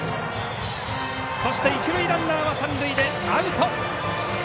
そして一塁ランナーは三塁でアウト。